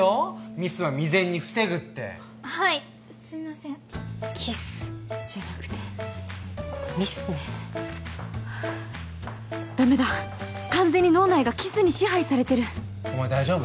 ミスは未然に防ぐってはいすみません「キス」じゃなくて「ミス」ねダメだ完全に脳内がキスに支配されてるお前大丈夫？